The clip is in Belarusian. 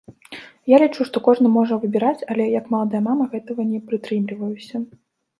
Я лічу, што кожны можа выбіраць, але, як маладая мама, гэтага не прытрымліваюся.